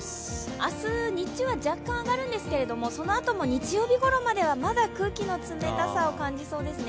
明日、日中は若干上がるんですけども、そのあとは日曜日ごろまでは、まだ空気の冷たさを感じそうですね。